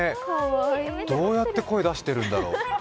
どうやって声出してるんだろう。